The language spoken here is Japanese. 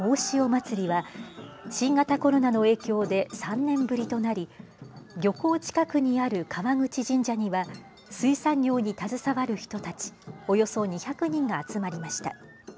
祭は新型コロナの影響で３年ぶりとなり漁港近くにある川口神社には水産業に携わる人たち、およそ２００人が集まりました。